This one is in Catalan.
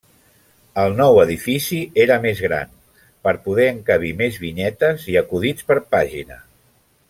El nou edifici era més gran, per poder encabir més vinyetes i acudits per pàgina.